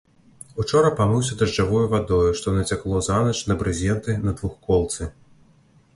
Учора памыўся дажджавою вадою, што нацякло занач на брызенты на двухколцы.